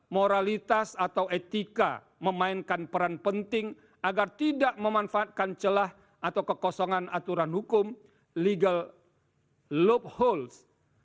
moralitas atau etika memainkan peran penting agar tidak memanfaatkan celah atau kekosongan aturan hukum legal lob holes